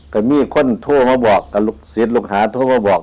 ก็มีคนโทรมาบอกกับลูกศิษย์ลูกหาโทรมาบอก